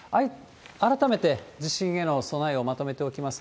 改めて地震への備えをまとめておきます。